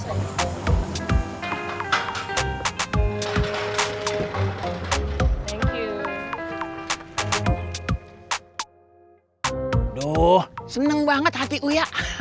aduh seneng banget hati uya